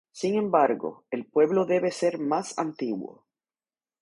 Sin embargo, el pueblo debe ser más antiguo.